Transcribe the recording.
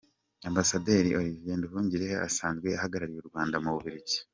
Ambasaderi Olivier Nduhungirehe asanzwe ahagarariye u Rwanda mu Bubiligi.